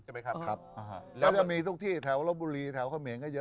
ใช่ไหมครับครับแล้วก็มีทุกที่แถวลบบุรีแถวเขมรก็เยอะ